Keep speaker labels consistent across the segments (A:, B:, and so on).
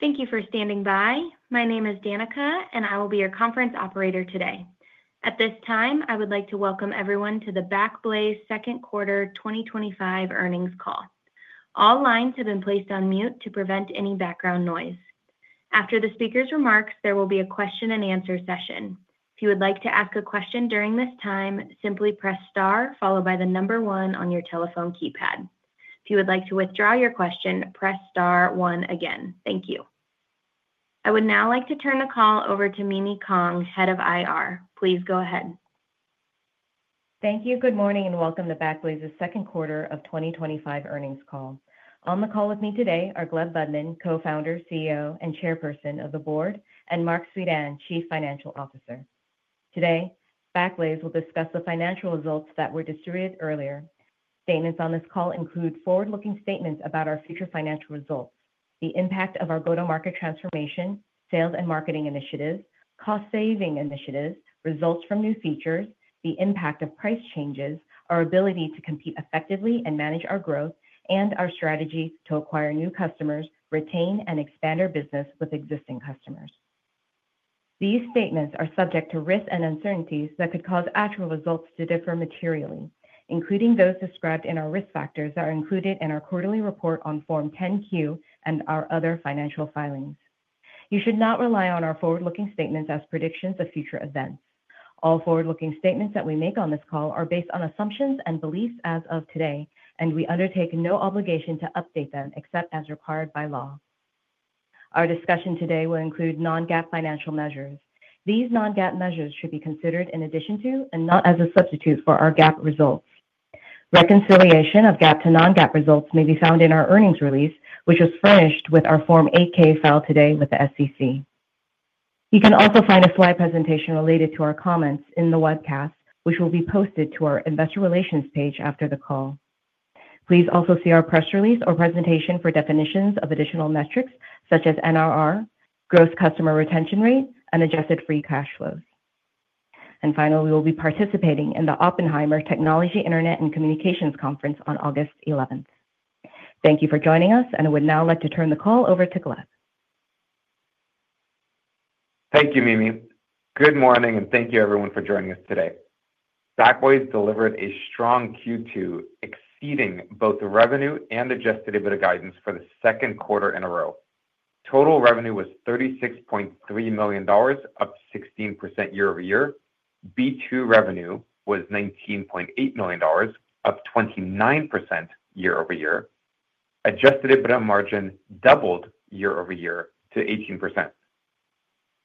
A: Thank you for standing by. My name is Danica, and I will be your conference operator today. At this time, I would like to welcome everyone to the Backblaze second quarter 2025 earnings call. All lines have been placed on mute to prevent any background noise. After the speaker's remarks, there will be a question and answer session. If you would like to ask a question during this time, simply press star followed by the number one on your telephone keypad. If you would like to withdraw your question, press star one again. Thank you. I would now like to turn the call over to Mimi Kong, Head of IR. Please go ahead.
B: Thank you. Good morning and welcome to Backblaze's second quarter of 2025 earnings call. On the call with me today are Gleb Budman, Co-Founder, CEO, and Chairperson of the Board, and Marc Suidan, Chief Financial Officer. Today, Backblaze will discuss the financial results that were distributed earlier. Statements on this call include forward-looking statements about our future financial results, the impact of our go-to-market transformation, sales and marketing initiatives, cost-saving initiatives, results from new features, the impact of price changes, our ability to compete effectively and manage our growth, and our strategies to acquire new customers, retain, and expand our business with existing customers. These statements are subject to risks and uncertainties that could cause actual results to differ materially, including those described in our risk factors that are included in our quarterly report on Form 10-Q and our other financial filings. You should not rely on our forward-looking statements as predictions of future events. All forward-looking statements that we make on this call are based on assumptions and beliefs as of today, and we undertake no obligation to update them except as required by law. Our discussion today will include non-GAAP financial measures. These non-GAAP measures should be considered in addition to and not as a substitute for our GAAP results. Reconciliation of GAAP to non-GAAP results may be found in our earnings release, which was furnished with our Form 8-K filed today with the SEC. You can also find a slide presentation related to our comments in the webcast, which will be posted to our investor relations page after the call. Please also see our press release or presentation for definitions of additional metrics such as NRR, gross customer retention rate, and adjusted free cash flow. Finally, we will be participating in the Oppenheimer Technology, Internet, and Communications Conference on August 11th. Thank you for joining us, and I would now like to turn the call over to Gleb.
C: Thank you, Mimi. Good morning, and thank you everyone for joining us today. Backblaze delivered a strong Q2, exceeding both the revenue and adjusted EBITDA guidance for the second quarter in a row. Total revenue was $36.3 million, up 16% year-over-year. B2 revenue was $19.8 million, up 29% year-over-year. Adjusted EBITDA margin doubled year-over-year to 18%.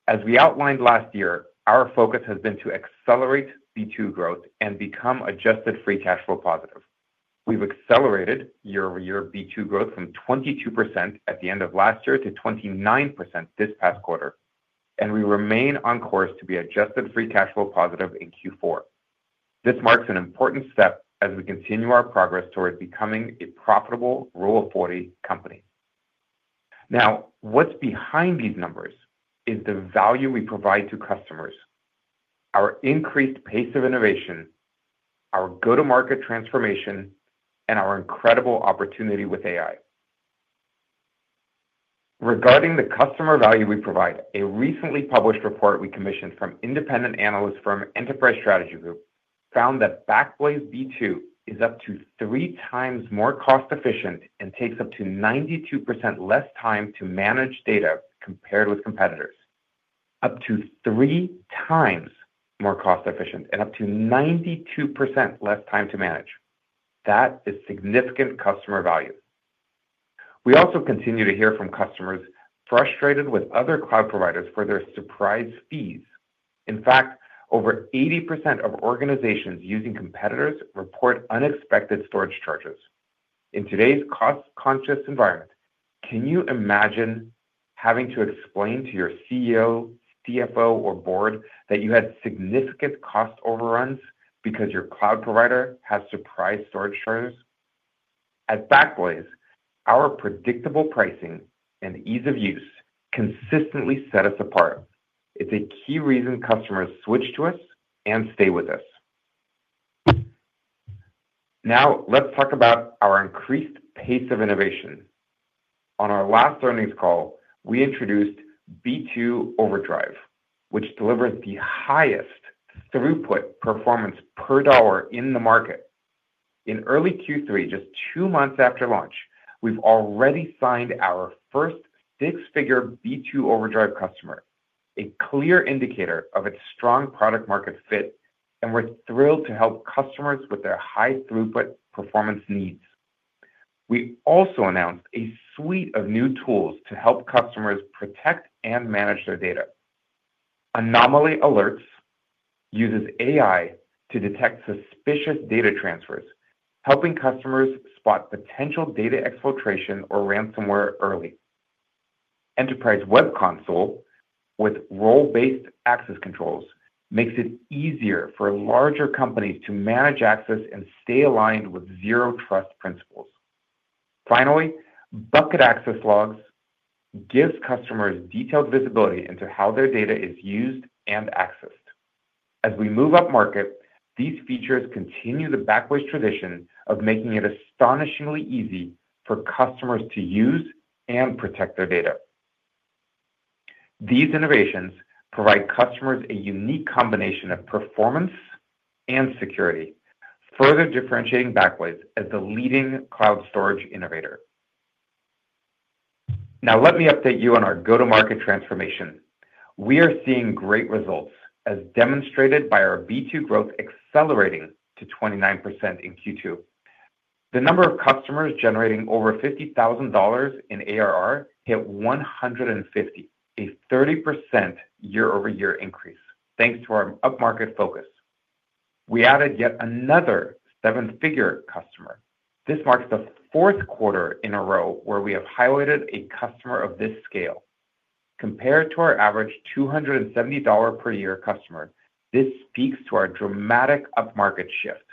C: As we outlined last year, our focus has been to accelerate B2 growth and become adjusted free cash flow positive. We've accelerated year-over-year B2 growth from 22% at the end of last year to 29% this past quarter, and we remain on course to be adjusted free cash flow positive in Q4. This marks an important step as we continue our progress towards becoming a profitable Rule 40 company. Now, what's behind these numbers is the value we provide to customers, our increased pace of innovation, our go-to-market transformation, and our incredible opportunity with AI. Regarding the customer value we provide, a recently published report we commissioned from independent analysts from Enterprise Strategy Group found that Backblaze B2 is up to three times more cost-efficient and takes up to 92% less time to manage data compared with competitors. Up to three times more cost-efficient and up to 92% less time to manage. That is significant customer value. We also continue to hear from customers frustrated with other cloud providers for their surprise fees. In fact, over 80% of organizations using competitors report unexpected storage charges. In today's cost-conscious environment, can you imagine having to explain to your CEO, CFO, or board that you had significant cost overruns because your cloud provider has surprise storage charges? At Backblaze, our predictable pricing and ease of use consistently set us apart. It's a key reason customers switch to us and stay with us. Now, let's talk about our increased pace of innovation. On our last earnings call, we introduced B2 Overdrive, which delivers the highest throughput performance per dollar in the market. In early Q3, just two months after launch, we've already signed our first six-figure B2 Overdrive customer, a clear indicator of its strong product-market fit, and we're thrilled to help customers with their high throughput performance needs. We also announced a suite of new tools to help customers protect and manage their data. Anomaly Alerts uses AI to detect suspicious data transfers, helping customers spot potential data exfiltration or ransomware early. Enterprise Web Console with role-based access controls makes it easier for larger companies to manage access and stay aligned with zero trust principles. Finally, Bucket Access Logs give customers detailed visibility into how their data is used and accessed. As we move up market, these features continue the Backblaze tradition of making it astonishingly easy for customers to use and protect their data. These innovations provide customers a unique combination of performance and security, further differentiating Backblaze as the leading cloud storage innovator. Now, let me update you on our go-to-market transformation. We are seeing great results, as demonstrated by our B2 growth accelerating to 29% in Q2. The number of customers generating over $50,000 in ARR hit 150, a 30% year-over-year increase, thanks to our upmarket focus. We added yet another seven-figure customer. This marks the fourth quarter in a row where we have highlighted a customer of this scale. Compared to our average $270 per year customer, this speaks to our dramatic upmarket shift.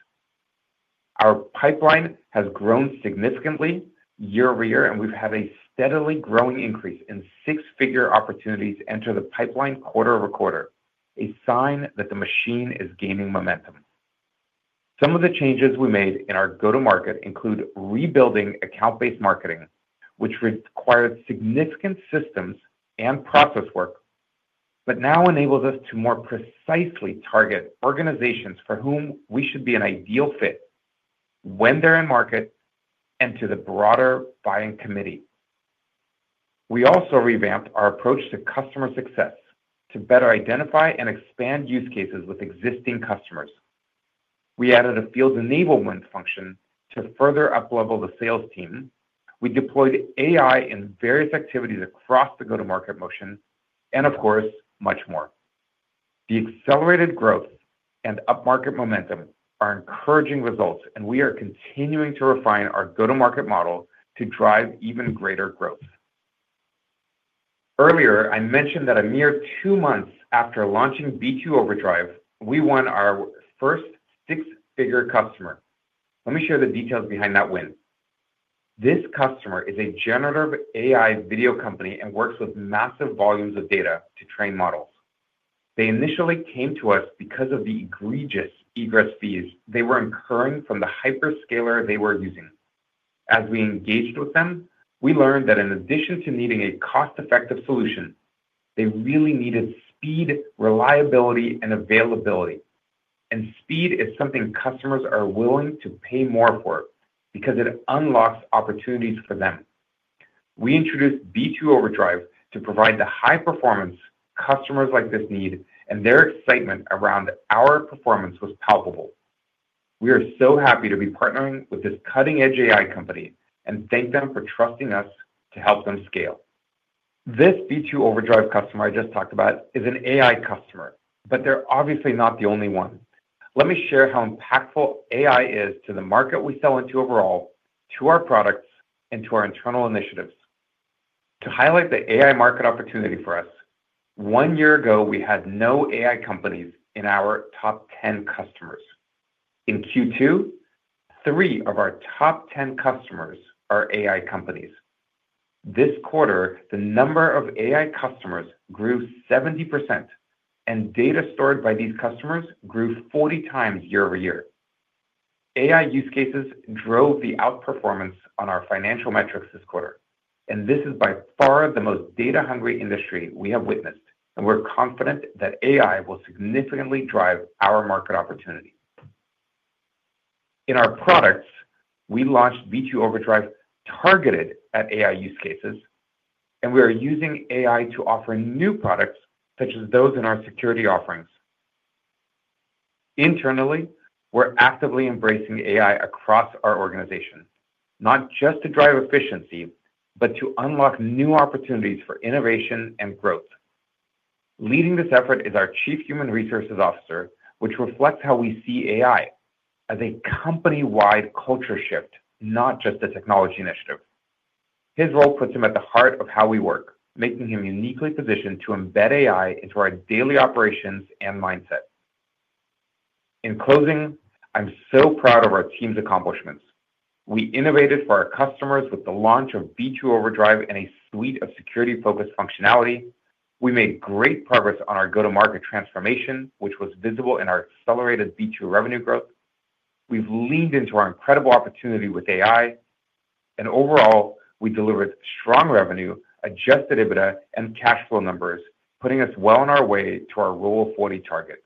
C: Our pipeline has grown significantly year-over-year, and we've had a steadily growing increase in six-figure opportunities enter the pipeline quarter-over-quarter, a sign that the machine is gaining momentum. Some of the changes we made in our go-to-market include rebuilding account-based marketing, which required significant systems and process work, but now enables us to more precisely target organizations for whom we should be an ideal fit when they're in market and to the broader buying committee. We also revamped our approach to customer success to better identify and expand use cases with existing customers. We added a field enablement function to further uplevel the sales team. We deployed AI in various activities across the go-to-market motion, and of course, much more. The accelerated growth and upmarket momentum are encouraging results, and we are continuing to refine our go-to-market model to drive even greater growth. Earlier, I mentioned that a mere two months after launching B2 Overdrive, we won our first six-figure customer. Let me share the details behind that win. This customer is a generative AI video company and works with massive volumes of data to train models. They initially came to us because of the egregious egress fees they were incurring from the hyperscaler they were using. As we engaged with them, we learned that in addition to needing a cost-effective solution, they really needed speed, reliability, and availability. Speed is something customers are willing to pay more for because it unlocks opportunities for them. We introduced B2 Overdrive to provide the high performance customers like this need, and their excitement around our performance was palpable. We are so happy to be partnering with this cutting-edge AI company and thank them for trusting us to help them scale. This B2 Overdrive customer I just talked about is an AI customer, but they're obviously not the only one. Let me share how impactful AI is to the market we sell into overall, to our products, and to our internal initiatives. To highlight the AI market opportunity for us, one year ago, we had no AI companies in our top 10 customers. In Q2, three of our top 10 customers are AI companies. This quarter, the number of AI customers grew 70%, and data stored by these customers grew 40x year-over-year. AI use cases drove the outperformance on our financial metrics this quarter, and this is by far the most data-hungry industry we have witnessed, and we're confident that AI will significantly drive our market opportunity. In our products, we launched B2 Overdrive targeted at AI use cases, and we are using AI to offer new products such as those in our security offerings. Internally, we're actively embracing AI across our organization, not just to drive efficiency, but to unlock new opportunities for innovation and growth. Leading this effort is our Chief Human Resources Officer, which reflects how we see AI as a company-wide culture shift, not just a technology initiative. His role puts him at the heart of how we work, making him uniquely positioned to embed AI into our daily operations and mindset. In closing, I'm so proud of our team's accomplishments. We innovated for our customers with the launch of B2 Overdrive and a suite of security-focused functionality. We made great progress on our go-to-market transformation, which was visible in our accelerated B2 revenue growth. We've leaned into our incredible opportunity with AI, and overall, we delivered strong revenue, adjusted EBITDA, and cash flow numbers, putting us well on our way to our Rule of 40 target.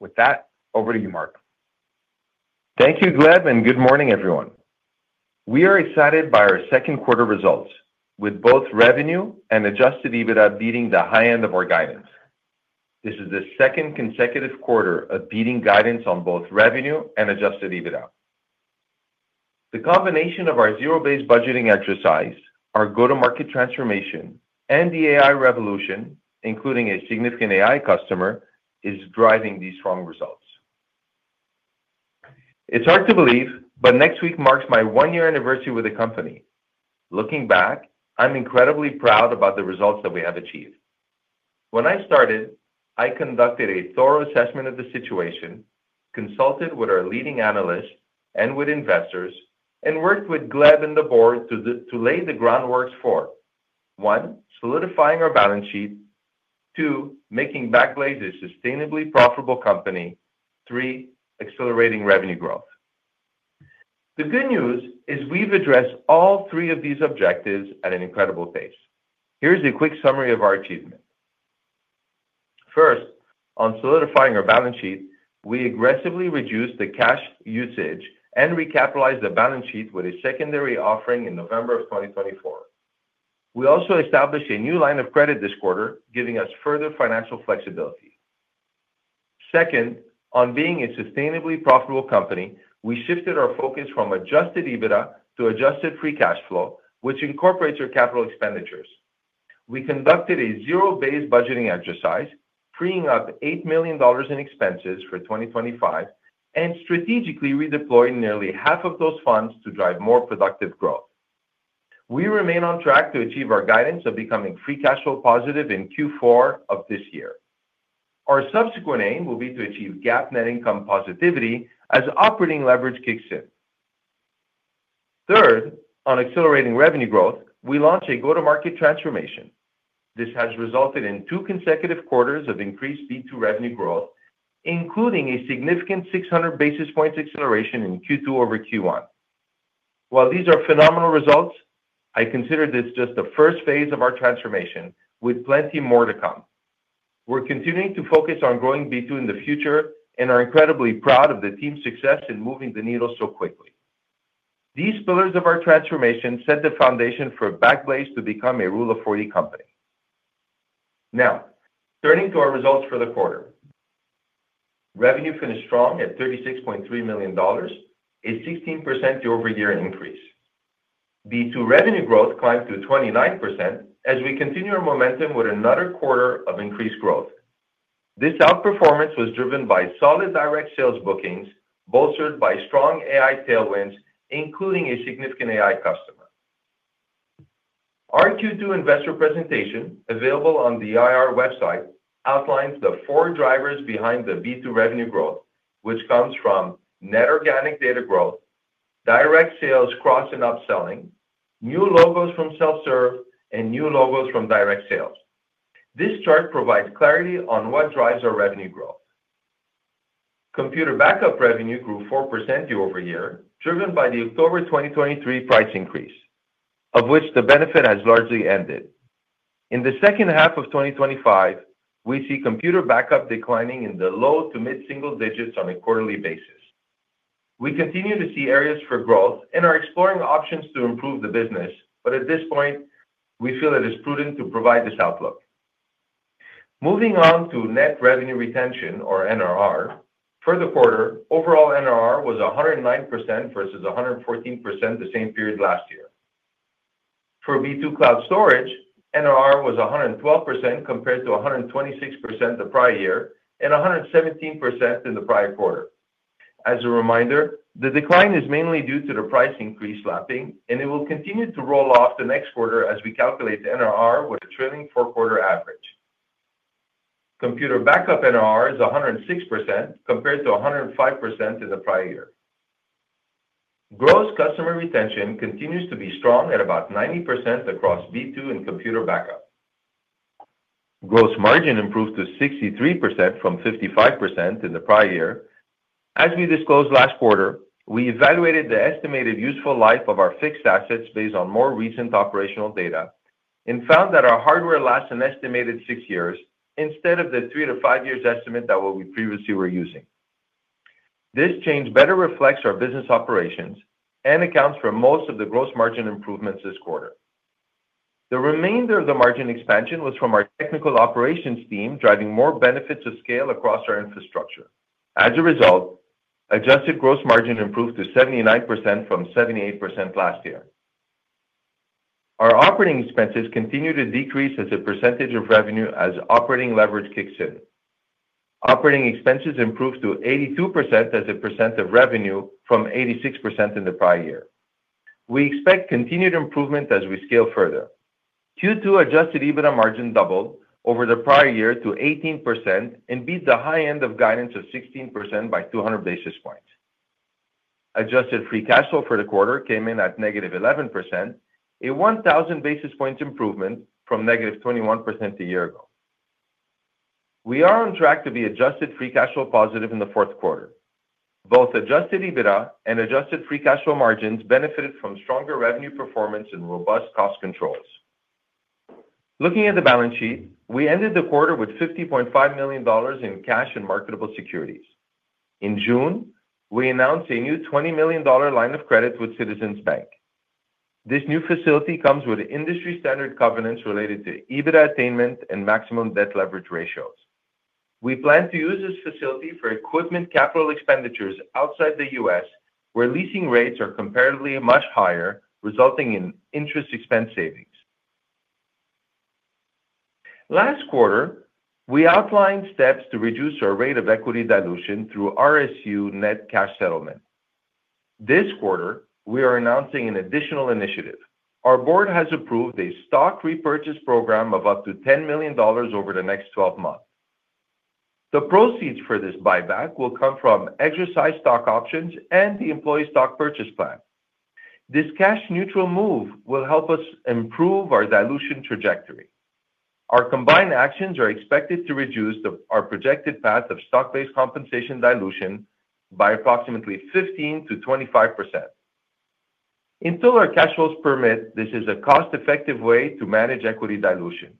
C: With that, over to you, Marc.
D: Thank you, Gleb, and good morning, everyone. We are excited by our second quarter results, with both revenue and adjusted EBITDA beating the high end of our guidance. This is the second consecutive quarter of beating guidance on both revenue and adjusted EBITDA. The combination of our zero-based budgeting exercise, our go-to-market transformation, and the AI revolution, including a significant AI customer, is driving these strong results. It's hard to believe, but next week marks my one-year anniversary with the company. Looking back, I'm incredibly proud about the results that we have achieved. When I started, I conducted a thorough assessment of the situation, consulted with our leading analysts and with investors, and worked with Gleb and the board to lay the groundwork for one, solidifying our balance sheet, two, making Backblaze a sustainably profitable company, three, accelerating revenue growth. The good news is we've addressed all three of these objectives at an incredible pace. Here's a quick summary of our achievement. First, on solidifying our balance sheet, we aggressively reduced the cash usage and recapitalized the balance sheet with a secondary offering in November of 2024. We also established a new line of credit this quarter, giving us further financial flexibility. Second, on being a sustainably profitable company, we shifted our focus from adjusted EBITDA to adjusted free cash flow, which incorporates our capital expenditures. We conducted a zero-based budgeting exercise, freeing up $8 million in expenses for 2025, and strategically redeployed nearly half of those funds to drive more productive growth. We remain on track to achieve our guidance of becoming free cash flow positive in Q4 of this year. Our subsequent aim will be to achieve GAAP net income positivity as operating leverage kicks in. Third, on accelerating revenue growth, we launched a go-to-market transformation. This has resulted in two consecutive quarters of increased B2 revenue growth, including a significant 600 basis points acceleration in Q2 over Q1. While these are phenomenal results, I consider this just the first phase of our transformation with plenty more to come. We're continuing to focus on growing B2 in the future and are incredibly proud of the team's success in moving the needle so quickly. These pillars of our transformation set the foundation for Backblaze to become a Rule of 40 company. Now, turning to our results for the quarter, revenue finished strong at $36.3 million, a 16% year-over-year increase. B2 revenue growth climbed to 29% as we continue our momentum with another quarter of increased growth. This outperformance was driven by solid direct sales bookings, bolstered by strong AI tailwinds, including a significant AI customer. Our Q2 investor presentation, available on the IR website, outlines the four drivers behind the B2 revenue growth, which comes from net organic data growth, direct sales cross and upselling, new logos from self-serve, and new logos from direct sales. This chart provides clarity on what drives our revenue growth. Computer Backup revenue grew 4% year-over-year, driven by the October 2023 price increase, of which the benefit has largely ended. In the second half of 2025, we see Computer Backup declining in the low to mid-single digits on a quarterly basis. We continue to see areas for growth and are exploring options to improve the business, but at this point, we feel it is prudent to provide this outlook. Moving on to net revenue retention, or NRR, for the quarter, overall NRR was 109% versus 114% the same period last year. For B2 Cloud Storage, NRR was 112% compared to 126% the prior year and 117% in the prior quarter. As a reminder, the decline is mainly due to the price increase lapping, and it will continue to roll off the next quarter as we calculate the NRR with a trailing four-quarter average. Computer Backup NRR is 106% compared to 105% in the prior year. Gross customer retention continues to be strong at about 90% across B2 and Computer Backup. Gross margin improved to 63% from 55% in the prior year. As we disclosed last quarter, we evaluated the estimated useful life of our fixed assets based on more recent operational data and found that our hardware lasts an estimated six years instead of the three to five years estimate that we previously were using. This change better reflects our business operations and accounts for most of the gross margin improvements this quarter. The remainder of the margin expansion was from our technical operations team, driving more benefits of scale across our infrastructure. As a result, adjusted gross margin improved to 79% from 78% last year. Our operating expenses continue to decrease as a percentage of revenue as operating leverage kicks in. Operating expenses improved to 82% as a percent of revenue from 86% in the prior year. We expect continued improvement as we scale further. Q2 adjusted EBITDA margin doubled over the prior year to 18% and beat the high end of guidance of 16% by 200 basis points. Adjusted free cash flow for the quarter came in at -11%, a 1,000 basis point improvement from -21% a year ago. We are on track to be adjusted free cash flow positive in the fourth quarter. Both adjusted EBITDA and adjusted free cash flow margins benefited from stronger revenue performance and robust cost controls. Looking at the balance sheet, we ended the quarter with $50.5 million in cash and marketable securities. In June, we announced a new $20 million line of credit with Citizens Bank. This new facility comes with industry-standard covenants related to EBITDA attainment and maximum debt leverage ratios. We plan to use this facility for equipment capital expenditures outside the U.S., where leasing rates are comparatively much higher, resulting in interest expense savings. Last quarter, we outlined steps to reduce our rate of equity dilution through RSU net cash settlement. This quarter, we are announcing an additional initiative. Our board has approved a stock repurchase program of up to $10 million over the next 12 months. The proceeds for this buyback will come from exercised stock options and the employee stock purchase plan. This cash-neutral move will help us improve our dilution trajectory. Our combined actions are expected to reduce our projected path of stock-based compensation dilution by approximately 15%-25%. Until our cash flows permit, this is a cost-effective way to manage equity dilution.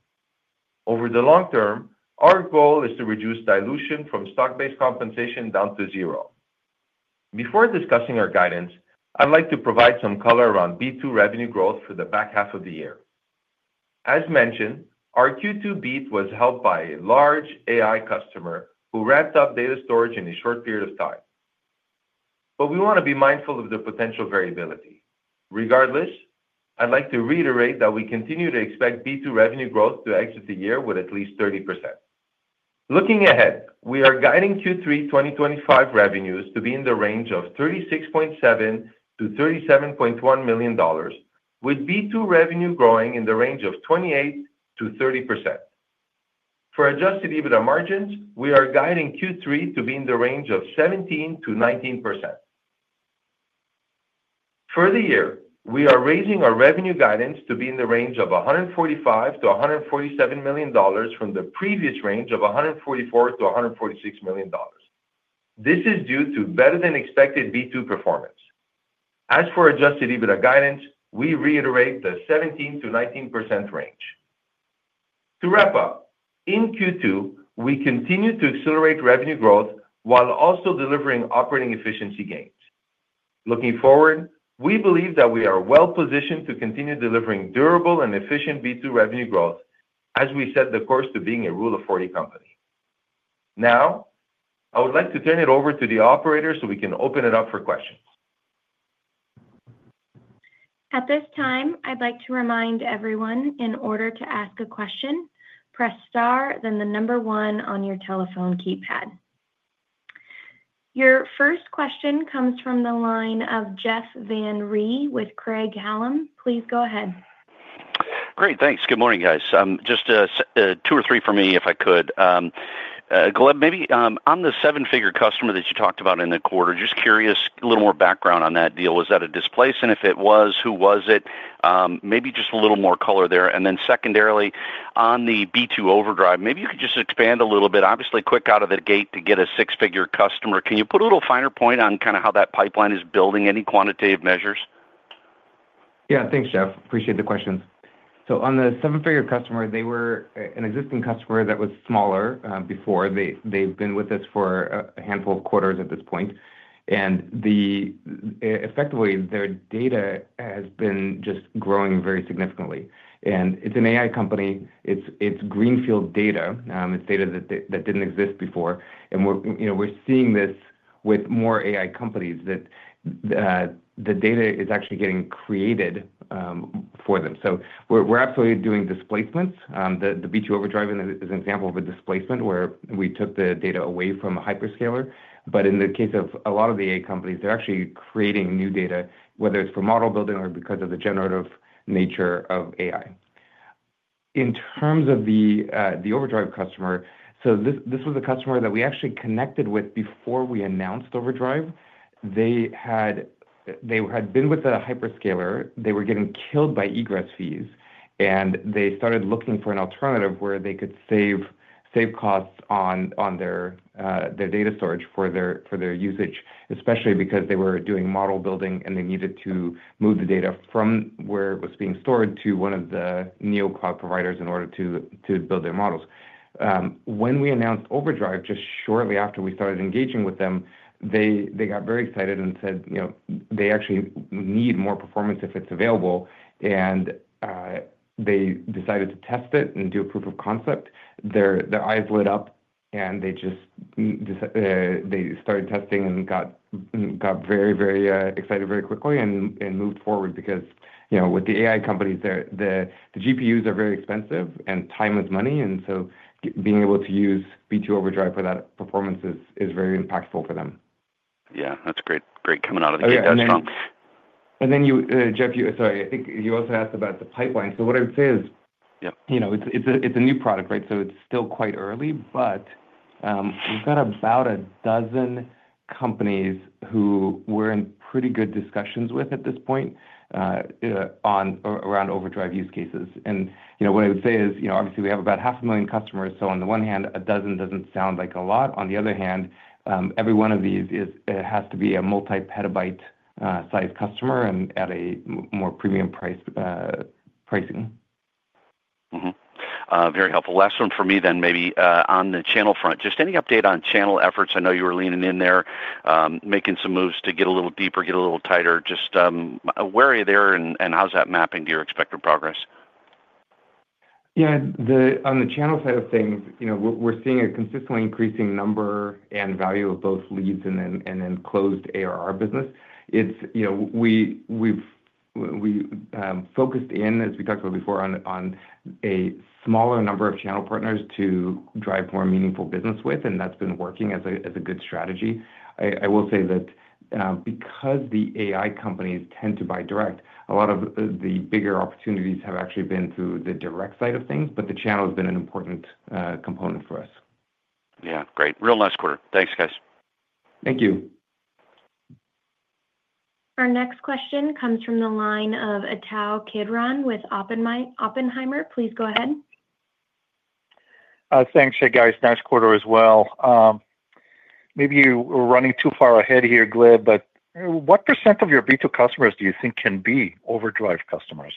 D: Over the long term, our goal is to reduce dilution from stock-based compensation down to zero. Before discussing our guidance, I'd like to provide some color around B2 revenue growth for the back half of the year. As mentioned, our Q2 beat was helped by a large AI customer who ramped up data storage in a short period of time. We want to be mindful of the potential variability. Regardless, I'd like to reiterate that we continue to expect B2 revenue growth to exit the year with at least 30%. Looking ahead, we are guiding Q3 2025 revenues to be in the range of $36.7 million-$37.1 million, with B2 revenue growing in the range of 28%-30%. For adjusted EBITDA margins, we are guiding Q3 to be in the range of 17%-19%. For the year, we are raising our revenue guidance to be in the range of $145 million-$147 million from the previous range of $144 million-$146 million. This is due to better-than-expected B2 performance. As for adjusted EBITDA guidance, we reiterate the 17%-19% range. To wrap up, in Q2, we continue to accelerate revenue growth while also delivering operating efficiency gains. Looking forward, we believe that we are well-positioned to continue delivering durable and efficient B2 revenue growth as we set the course to being a Rule of 40 company. Now, I would like to turn it over to the operator so we can open it up for questions.
A: At this time, I'd like to remind everyone, in order to ask a question, press star, then the number one on your telephone keypad. Your first question comes from the line of Jeff Van Rhee with Craig-Hallum. Please go ahead.
E: Great, thanks. Good morning, guys. Just two or three for me if I could. Gleb, maybe on the seven-figure customer that you talked about in the quarter, just curious a little more background on that deal. Was that a displacement? If it was, who was it? Maybe just a little more color there. Secondarily, on the B2 Overdrive, maybe you could just expand a little bit. Obviously, quick out of the gate to get a six-figure customer. Can you put a little finer point on kind of how that pipeline is building, any quantitative measures?
C: Yeah, thanks, Jeff. Appreciate the questions. On the seven-figure customer, they were an existing customer that was smaller before. They've been with us for a handful of quarters at this point. Effectively, their data has been just growing very significantly. It's an AI company. It's greenfield data. It's data that didn't exist before. We're seeing this with more AI companies that the data is actually getting created for them. We're absolutely doing displacements. B2 Overdrive is an example of a displacement where we took the data away from a hyperscaler. In the case of a lot of the AI companies, they're actually creating new data, whether it's for model building or because of the generative nature of AI. In terms of the Overdrive customer, this was a customer that we actually connected with before we announced Overdrive. They had been with a hyperscaler. They were getting killed by egress fees. They started looking for an alternative where they could save costs on their data storage for their usage, especially because they were doing model building and they needed to move the data from where it was being stored to one of the Neocloud providers in order to build their models. When we announced Overdrive just shortly after we started engaging with them, they got very excited and said they actually need more performance if it's available. They decided to test it and do a proof of concept. Their eyes lit up and they started testing and got very, very excited very quickly and moved forward because with the AI companies, the GPUs are very expensive and time is money. Being able to use B2 Overdrive for that performance is very impactful for them.
E: Yeah, that's great. Great coming out of the gate. That's strong.
C: You also asked about the pipeline. What I would say is, it's a new product, right? It's still quite early, but you've got about a dozen companies who we're in pretty good discussions with at this point around B2 Overdrive use cases. What I would say is, obviously we have about half a million customers. On the one hand, a dozen doesn't sound like a lot. On the other hand, every one of these has to be a multi-petabyte size customer and at a more premium pricing.
E: Very helpful. Last one for me then, maybe on the channel front. Just any update on channel efforts? I know you were leaning in there, making some moves to get a little deeper, get a little tighter. Just where are you there and how's that mapping to your expected progress?
C: Yeah, on the channel side of things, we're seeing a consistently increasing number and value of both leads and then closed ARR business. We've focused in, as we talked about before, on a smaller number of channel partners to drive more meaningful business with, and that's been working as a good strategy. I will say that because the AI companies tend to buy direct, a lot of the bigger opportunities have actually been through the direct side of things, but the channel has been an important component for us.
E: Yeah, great. Real nice quarter. Thanks, guys.
C: Thank you.
A: Our next question comes from the line of Ittai Kidron with Oppenheimer. Please go ahead.
F: Thanks, guys. Nice quarter as well. Maybe you were running too far ahead here, Gleb, but what % of your B2 customers do you think can be Overdrive customers?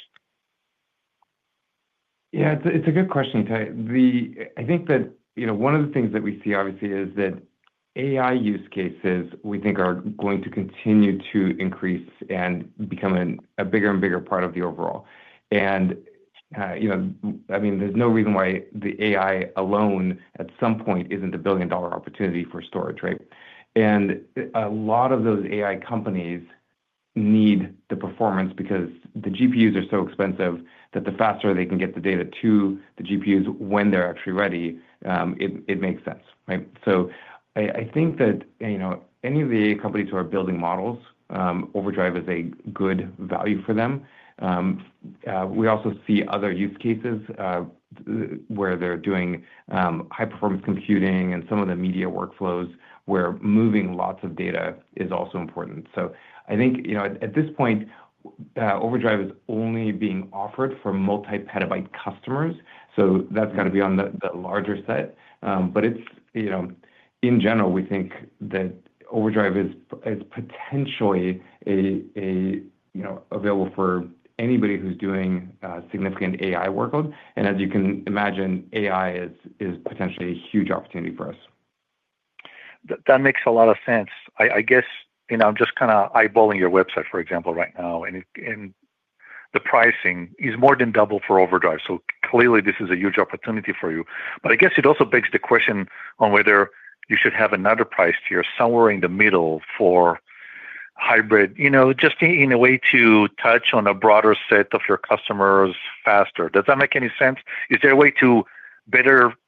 C: Yeah, it's a good question. I think that one of the things that we see obviously is that AI use cases we think are going to continue to increase and become a bigger and bigger part of the overall. I mean, there's no reason why the AI alone at some point isn't a billion-dollar opportunity for storage, right? A lot of those AI companies need the performance because the GPUs are so expensive that the faster they can get the data to the GPUs when they're actually ready, it makes sense, right? I think that any of the AI companies who are building models, B2 Overdrive is a good value for them. We also see other use cases where they're doing high-performance computing and some of the media workflows where moving lots of data is also important. At this point, Overdrive is only being offered for multi-petabyte customers. That's got to be on the larger set. In general, we think that Overdrive is potentially available for anybody who's doing significant AI workload. As you can imagine, AI is potentially a huge opportunity for us.
F: That makes a lot of sense. I guess I'm just kind of eyeballing your website, for example, right now. The pricing is more than double for Overdrive. Clearly, this is a huge opportunity for you. I guess it also begs the question on whether you should have another price tier somewhere in the middle for hybrid, you know, just in a way to touch on a broader set of your customers faster. Does that make any sense? Is there a way to,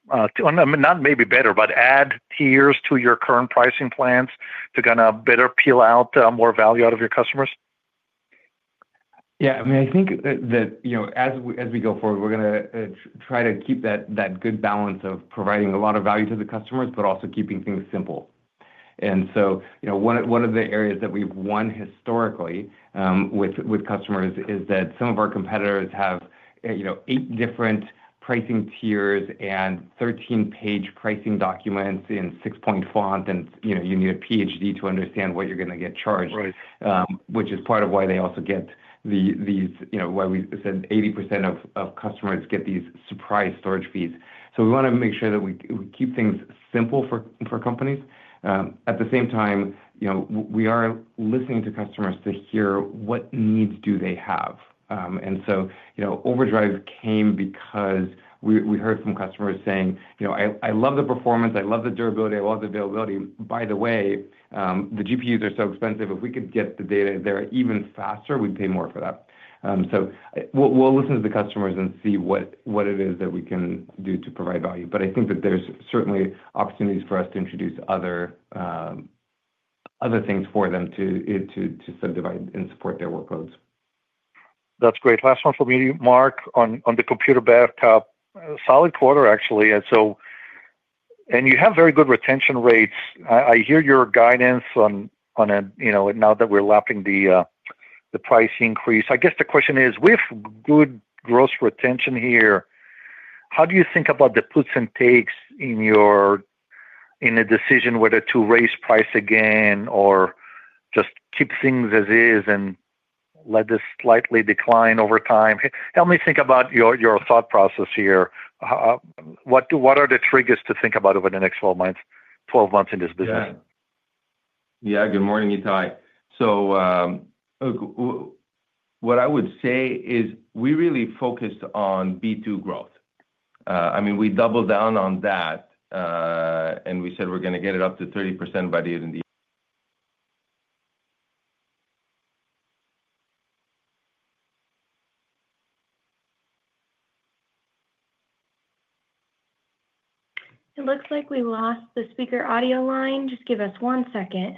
F: not maybe better, but add tiers to your current pricing plans to kind of better peel out more value out of your customers?
C: Yeah, I mean, I think that as we go forward, we're going to try to keep that good balance of providing a lot of value to the customers, but also keeping things simple. One of the areas that we've won historically with customers is that some of our competitors have eight different pricing tiers and 13-page pricing documents in six-point font. You need a PhD to understand what you're going to get charged, which is part of why they also get these, you know, why we said 80% of customers get these surprise storage fees. We want to make sure that we keep things simple for companies. At the same time, you know, we are listening to customers to hear what needs do they have. Overdrive came because we heard from customers saying, you know, I love the performance, I love the durability, I love the availability. By the way, the GPUs are so expensive, if we could get the data there even faster, we'd pay more for that. We'll listen to the customers and see what it is that we can do to provide value. I think that there's certainly opportunities for us to introduce other things for them to subdivide and support their workloads.
F: That's great. Last one from you, Marc, on the Computer Backup. Solid quarter, actually. You have very good retention rates. I hear your guidance on, you know, now that we're lapping the price increase. I guess the question is, with good gross retention here, how do you think about the puts and takes in your decision whether to raise price again or just keep things as is and let this slightly decline over time? Help me think about your thought process here. What are the triggers to think about over the next 12 months in this business?
D: Yeah, good morning, Ittai. What I would say is we really focused on B2 growth. I mean, we doubled down on that, and we said we're going to get it up to 30% by the end of the year.
A: It looks like we lost the speaker audio line. Just give us one second.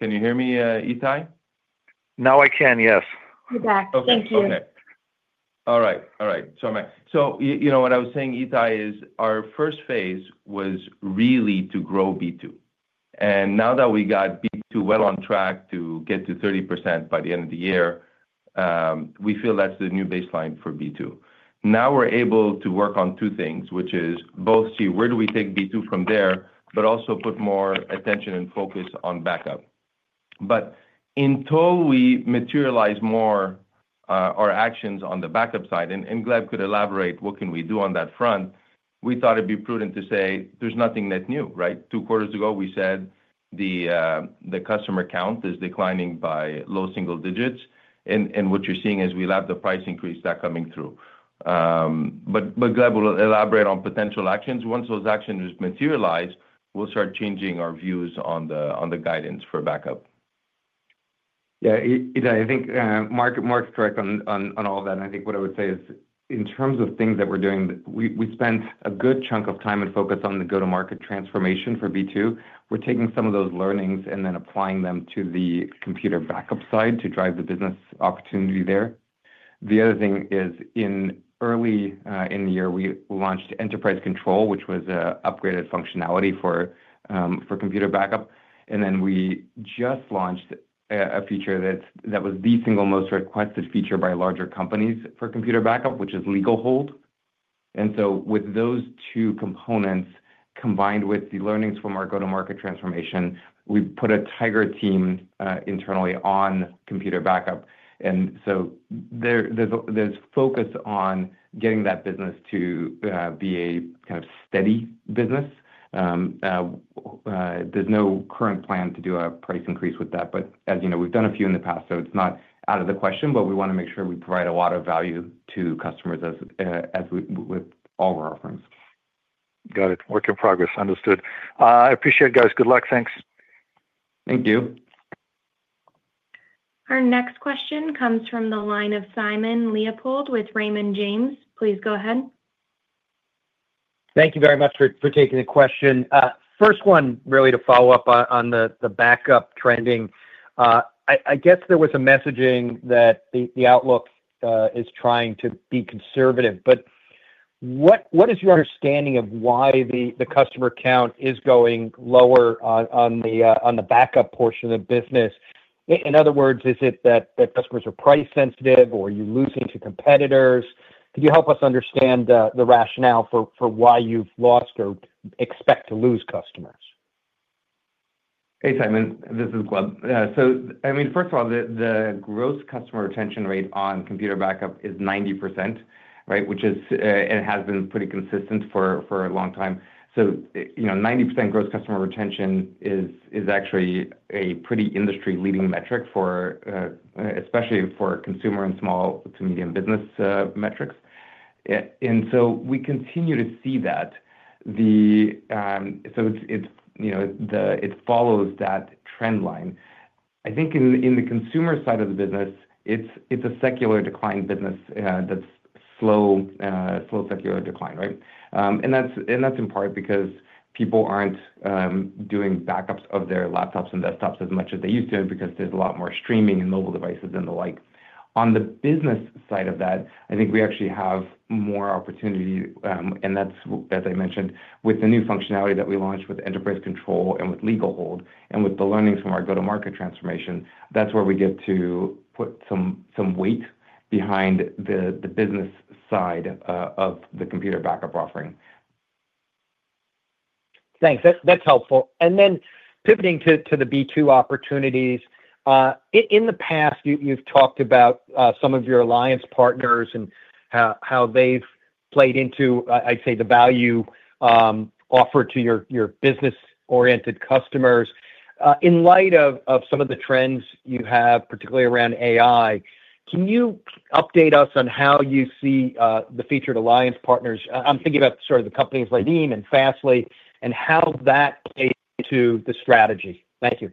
D: Can you hear me, Ittai?
F: Now I can, yes.
A: You're back. Thank you.
D: All right. So you know what I was saying, Ittai, is our first phase was really to grow B2. Now that we got B2 well on track to get to 30% by the end of the year, we feel that's the new baseline for B2. Now we're able to work on two things, which is both see where do we take B2 from there, but also put more attention and focus on backup. Until we materialize more our actions on the backup side, and Gleb could elaborate what can we do on that front, we thought it'd be prudent to say there's nothing net new, right? Two quarters ago, we said the customer count is declining by low single digits. What you're seeing is we lapped the price increase that's coming through. Gleb will elaborate on potential actions. Once those actions materialize, we'll start changing our views on the guidance for backup.
C: Yeah, I think Marc is correct on all of that. I think what I would say is in terms of things that we're doing, we spent a good chunk of time and focus on the go-to-market transformation for B2. We're taking some of those learnings and then applying them to the Computer Backup side to drive the business opportunity there. The other thing is early in the year, we launched Enterprise Web Console, which was an upgraded functionality for Computer Backup. We just launched a feature that was the single most requested feature by larger companies for Computer Backup, which is Legal Hold. With those two components, combined with the learnings from our go-to-market transformation, we put a tiger team internally on Computer Backup. There's focus on getting that business to be a kind of steady business. There's no current plan to do a price increase with that. As you know, we've done a few in the past, so it's not out of the question, but we want to make sure we provide a lot of value to customers with all of our offerings.
F: Got it. Work in progress. Understood. I appreciate it, guys. Good luck. Thanks.
C: Thank you.
A: Our next question comes from the line of Simon Leopold with Raymond James. Please go ahead.
G: Thank you very much for taking the question. First one, really to follow up on the backup trending. I guess there was a messaging that the outlook is trying to be conservative. What is your understanding of why the customer count is going lower on the backup portion of the business? In other words, is it that customers are price sensitive or are you losing to competitors? Could you help us understand the rationale for why you've lost or expect to lose customers?
C: Hey Simon, this is Gleb. First of all, the gross customer retention rate on Computer Backup is 90%, right? It has been pretty consistent for a long time. 90% gross customer retention is actually a pretty industry-leading metric, especially for consumer and small to medium business metrics. We continue to see that, so it follows that trend line. I think in the consumer side of the business, it's a secular decline business that's slow, slow secular decline, right? That's in part because people aren't doing backups of their laptops and desktops as much as they used to, because there's a lot more streaming and mobile devices and the like. On the business side of that, I think we actually have more opportunity. As I mentioned, with the new functionality that we launched with Enterprise Control and with Legal Hold and with the learnings from our go-to-market transformation, that's where we get to put some weight behind the business side of the Computer Backup offering.
G: Thanks. That's helpful. Pivoting to the B2 opportunities, in the past, you've talked about some of your alliance partners and how they've played into, I'd say, the value offered to your business-oriented customers. In light of some of the trends you have, particularly around AI, can you update us on how you see the featured alliance partners? I'm thinking about sort of the companies like Veeam and Fastly and how that played into the strategy. Thank you.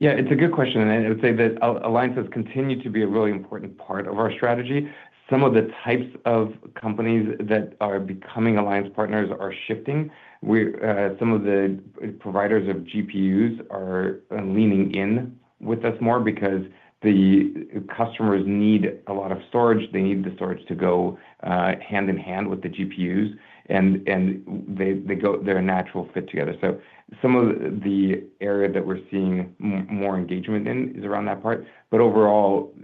C: Yeah, it's a good question. I would say that alliances continue to be a really important part of our strategy. Some of the types of companies that are becoming alliance partners are shifting. Some of the providers of GPUs are leaning in with us more because the customers need a lot of storage. They need the storage to go hand in hand with the GPUs, and they're a natural fit together. Some of the area that we're seeing more engagement in is around that part. Overall,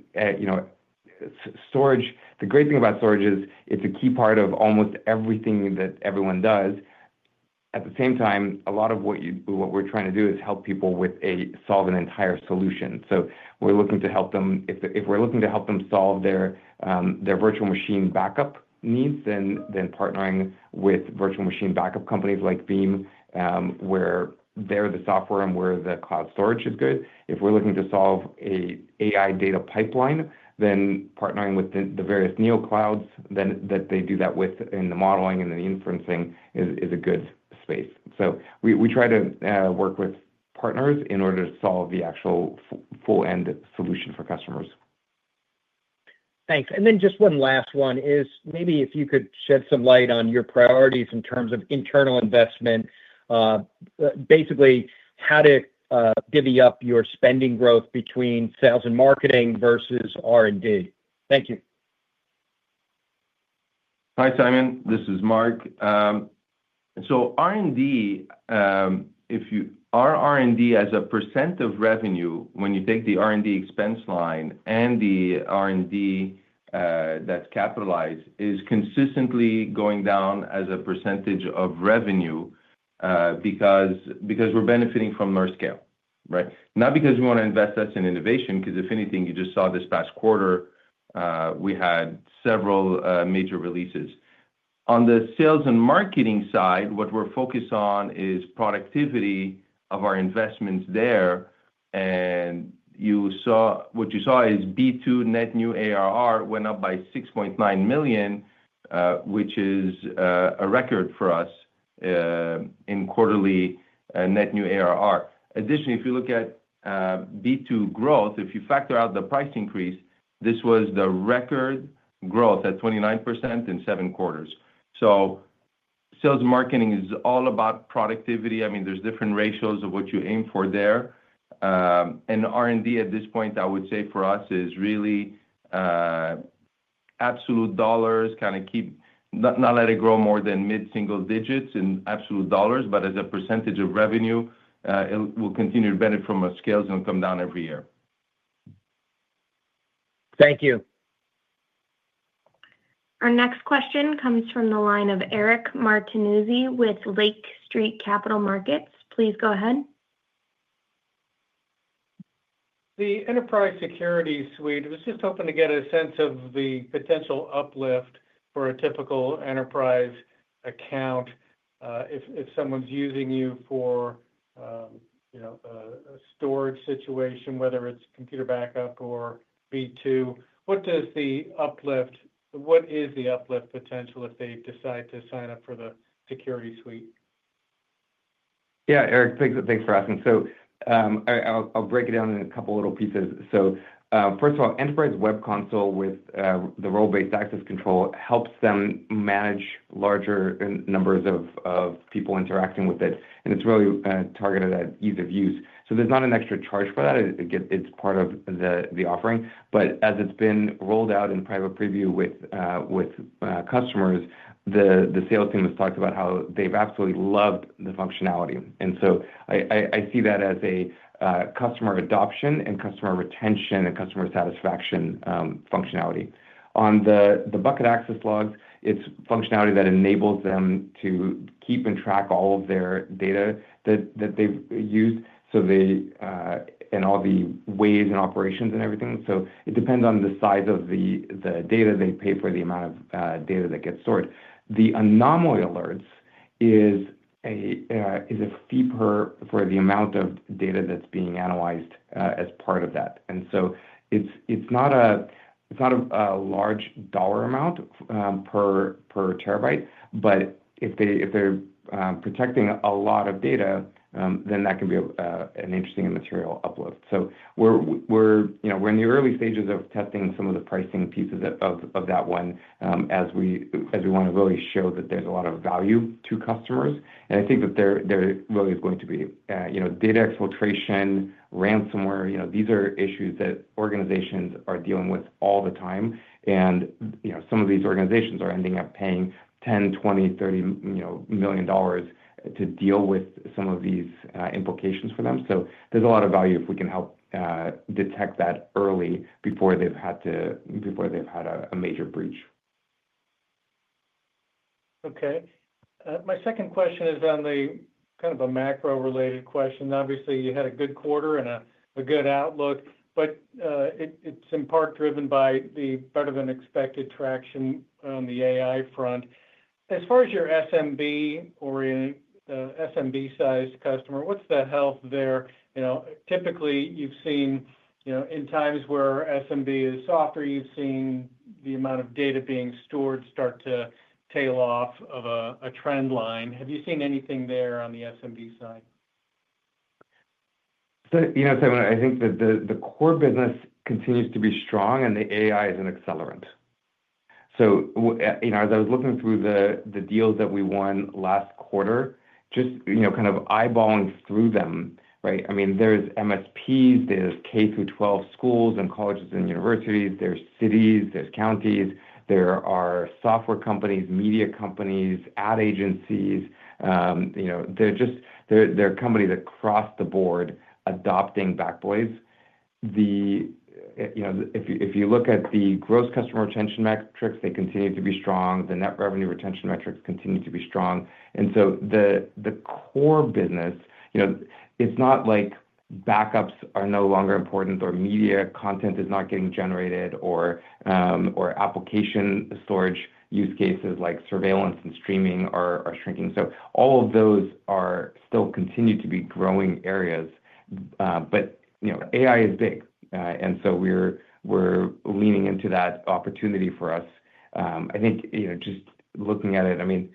C: storage, the great thing about storage is it's a key part of almost everything that everyone does. At the same time, a lot of what we're trying to do is help people solve an entire solution. We're looking to help them, if we're looking to help them solve their virtual machine backup needs, then partnering with virtual machine backup companies like Veeam, where they're the software and where the cloud storage is good. If we're looking to solve an AI data pipeline, then partnering with the various Neoclouds that they do that with in the modeling and the inferencing is a good space. We try to work with partners in order to solve the actual full-end solution for customers.
G: Thanks. If you could shed some light on your priorities in terms of internal investment, basically how to divvy up your spending growth between sales and marketing versus R&D. Thank you.
D: Hi, Simon. This is Marc. R&D, if you are R&D as a % of revenue, when you take the R&D expense line and the R&D that's capitalized, is consistently going down as a % of revenue because we're benefiting from more scale, right? Not because we want to invest that in innovation, because if anything, you just saw this past quarter, we had several major releases. On the sales and marketing side, what we're focused on is productivity of our investments there. What you saw is B2 net new ARR went up by $6.9 million, which is a record for us in quarterly net new ARR. Additionally, if you look at B2 growth, if you factor out the price increase, this was the record growth at 29% in seven quarters. Sales and marketing is all about productivity. There are different ratios of what you aim for there. R&D at this point, I would say for us is really absolute dollars, kind of keep not let it grow more than mid-single digits in absolute dollars, but as a % of revenue, we'll continue to benefit from our scales and come down every year.
G: Thank you.
A: Our next question comes from the line of Eric Martinuzzi with Lake Street Capital Markets. Please go ahead.
H: The enterprise security suite, it was just helping to get a sense of the potential uplift for a typical enterprise account. If someone's using you for a storage situation, whether it's Computer Backup or B2, what does the uplift, what is the uplift potential if they decide to sign up for the security suite?
C: Yeah, Eric, thanks for asking. I'll break it down in a couple of little pieces. First of all, Enterprise Web Console with the role-based access control helps them manage larger numbers of people interacting with it. It's really targeted at ease of use. There's not an extra charge for that. It's part of the offering. As it's been rolled out in private preview with customers, the sales team has talked about how they've absolutely loved the functionality. I see that as a customer adoption and customer retention and customer satisfaction functionality. On the Bucket Access Logs, it's functionality that enables them to keep and track all of their data that they've used, all the ways and operations and everything. It depends on the size of the data they pay for, the amount of data that gets stored. The Anomaly Alerts is a fee per for the amount of data that's being analyzed as part of that. It's not a large dollar amount per terabyte, but if they're protecting a lot of data, then that can be an interesting and material uplift. We're in the early stages of testing some of the pricing pieces of that one as we want to really show that there's a lot of value to customers. I think that there really is going to be data exfiltration, ransomware. These are issues that organizations are dealing with all the time. Some of these organizations are ending up paying $10 million, $20 million, $30 million to deal with some of these implications for them. There's a lot of value if we can help detect that early before they've had a major breach.
H: Okay. My second question is on the kind of a macro-related question. Obviously, you had a good quarter and a good outlook, but it's in part driven by the better-than-expected traction on the AI front. As far as your SMB or SMB-sized customer, what's the health there? Typically, you've seen in times where SMB is softer, you've seen the amount of data being stored start to tail off of a trend line. Have you seen anything there on the SMB side?
C: You know, Simon, I think that the core business continues to be strong and the AI is an accelerant. As I was looking through the deals that we won last quarter, just kind of eyeballing through them, right? I mean, there's MSPs, there's K through 12 schools and colleges and universities, there's cities, there's counties, there are software companies, media companies, ad agencies. There are companies across the board adopting Backblaze. If you look at the gross customer retention metrics, they continue to be strong. The net revenue retention metrics continue to be strong. The core business, you know, it's not like backups are no longer important or media content is not getting generated or application storage use cases like surveillance and streaming are shrinking. All of those still continue to be growing areas. AI is big. We're leaning into that opportunity for us. I think just looking at it, I mean,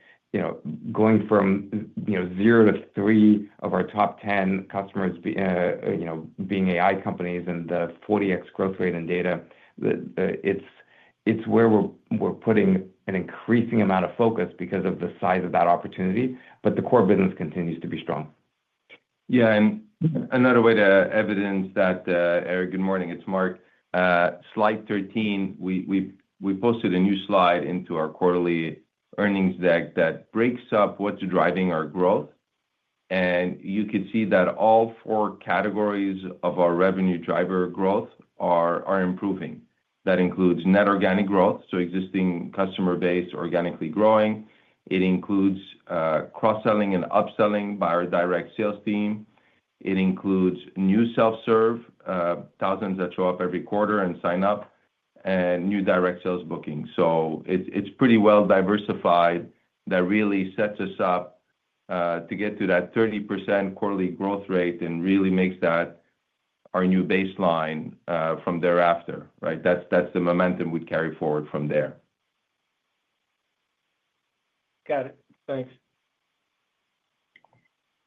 C: going from zero to three of our top 10 customers being AI companies and the 40x growth rate in data, it's where we're putting an increasing amount of focus because of the size of that opportunity. The core business continues to be strong.
D: Yeah, another way to evidence that, Eric, good morning, it's Marc. Slide 13, we posted a new slide into our quarterly earnings deck that breaks up what's driving our growth. You could see that all four categories of our revenue driver growth are improving. That includes net organic growth, so existing customer base organically growing. It includes cross-selling and upselling by our direct sales team. It includes new self-serve, thousands that show up every quarter and sign up, and new direct sales booking. It's pretty well diversified. That really sets us up to get to that 30% quarterly growth rate and really makes that our new baseline from thereafter, right? That's the momentum we'd carry forward from there.
H: Got it. Thanks.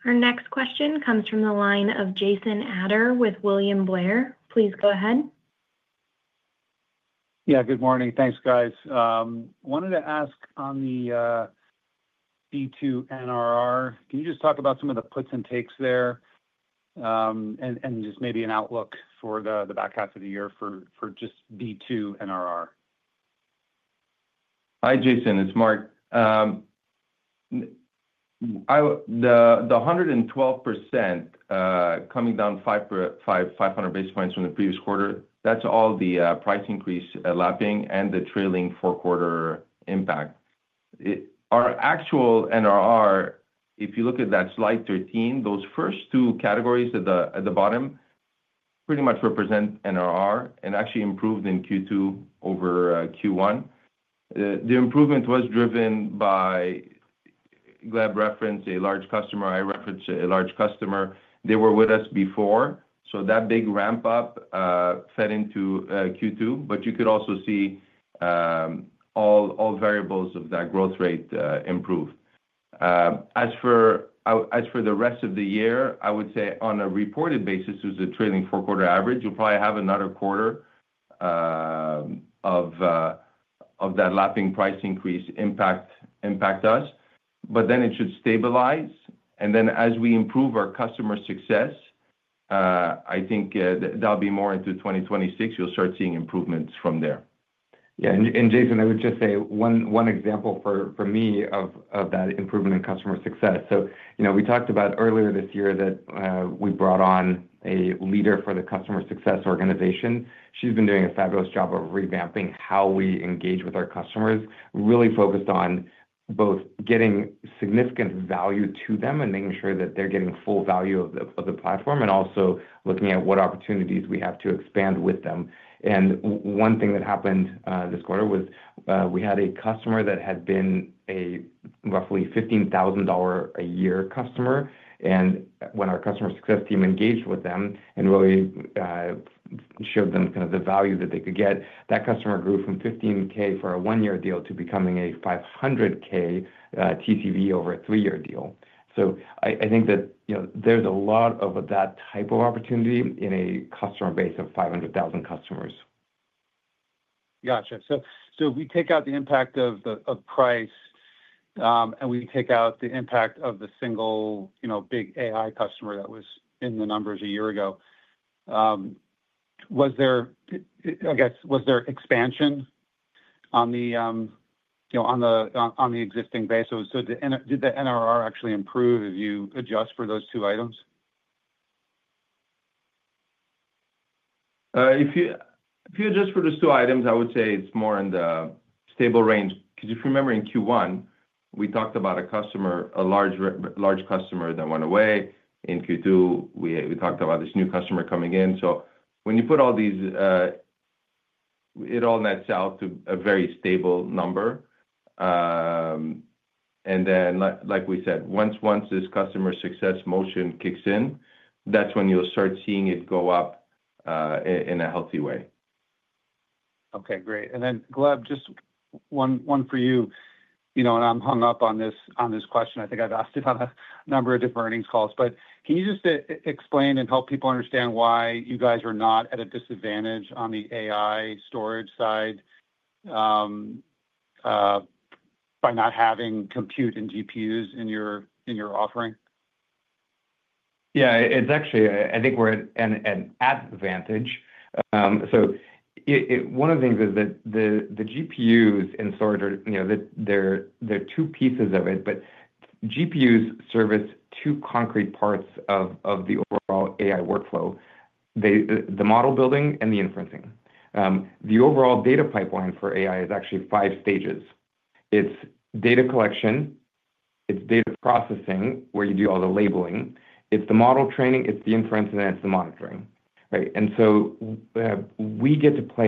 A: Our next question comes from the line of Jason Ader with William Blair. Please go ahead.
I: Good morning. Thanks, guys. Wanted to ask on the B2 NRR, can you just talk about some of the puts and takes there, and maybe an outlook for the back half of the year for just B2 NRR?
D: Hi, Jason. It's Marc. The 112% coming down 500 basis points from the previous quarter, that's all the price increase lapping and the trailing four-quarter impact. Our actual NRR, if you look at that slide 13, those first two categories at the bottom pretty much represent NRR and actually improved in Q2 over Q1. The improvement was driven by Gleb referenced a large customer. I referenced a large customer. They were with us before. That big ramp-up fed into Q2, but you could also see all variables of that growth rate improve. As for the rest of the year, I would say on a reported basis, it was a trailing four-quarter average. You'll probably have another quarter of that lapping price increase impact us. It should stabilize. As we improve our customer success, I think that'll be more into 2026. You'll start seeing improvements from there.
C: Yeah, Jason, I would just say one example for me of that improvement in customer success. We talked about earlier this year that we brought on a leader for the Customer Success organization. She's been doing a fabulous job of revamping how we engage with our customers, really focused on both getting significant value to them and making sure that they're getting full value of the platform, also looking at what opportunities we have to expand with them. One thing that happened this quarter was we had a customer that had been a roughly $15,000 a year customer. When our Customer Success team engaged with them and really showed them the value that they could get, that customer grew from $15,000 for a one-year deal to becoming a $500,000 TCV over a three-year deal. I think that there's a lot of that type of opportunity in a customer base of 500,000 customers.
I: Gotcha. If we take out the impact of the price and we take out the impact of the single big AI customer that was in the numbers a year ago, was there expansion on the existing base? Did the NRR actually improve if you adjust for those two items?
C: If you adjust for those two items, I would say it's more in the stable range. If you remember in Q1, we talked about a customer, a large customer that went away. In Q2, we talked about this new customer coming in. When you put all these, it all nets out to a very stable number. Like we said, once this customer success motion kicks in, that's when you'll start seeing it go up in a healthy way.
I: Okay, great. Gleb, just one for you. You know, I'm hung up on this question. I think I've asked it on a number of different earnings calls. Can you just explain and help people understand why you guys are not at a disadvantage on the AI storage side by not having compute and GPUs in your offering?
C: Yeah, I think we're at an advantage. One of the things is that the GPUs in storage, you know, there are two pieces of it, but GPUs service two concrete parts of the overall AI workflow: the model building and the inferencing. The overall data pipeline for AI is actually five stages. It's data collection, it's data processing where you do all the labeling, it's the model training, it's the inferencing, and it's the monitoring. Right? We get to play.